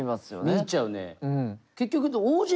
見入っちゃうね。